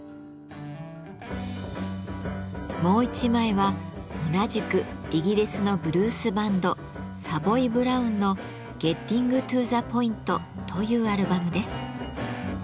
もう１枚は同じくイギリスのブルースバンドサヴォイ・ブラウンの「ゲッティング・トゥ・ザ・ポイント」というアルバムです。